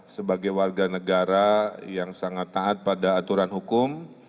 sebagai warga negara yang sangat taat pada aturan hukum